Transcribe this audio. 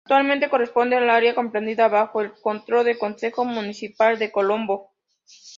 Actualmente, corresponde al área comprendida bajo el control de Consejo Municipal de Colombo.